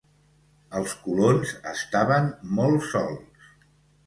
Els colons estaven molt sols.